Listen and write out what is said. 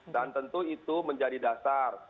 dan tentu itu menjadi dasar